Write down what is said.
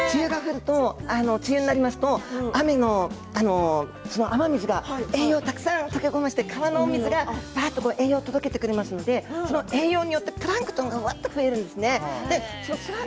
梅雨になりますと、雨水が栄養をたくさん溶け込みまして川の水が栄養を届けてくれますのでその栄養でプランクトンがうわっと増えるんですね。